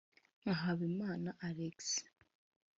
nka Habimana Alexis.